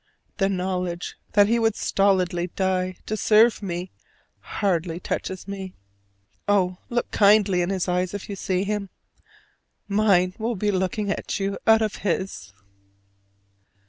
The knowledge that he would stolidly die to serve me hardly touches me. Oh, look kindly in his eyes if you see him: mine will be looking at you out of his!